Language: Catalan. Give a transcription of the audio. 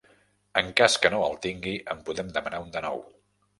En cas que no el tingui, en podem demanar un de nou.